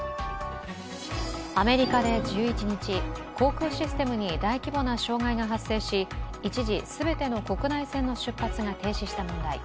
アメリカで１１日、航空システムに大規模な障害が発生し一時、全ての国内線の出発が停止した問題。